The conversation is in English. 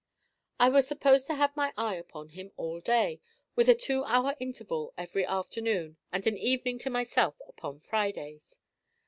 I was supposed to have my eye upon him all day, with a two hour interval every afternoon and an evening to myself upon Fridays.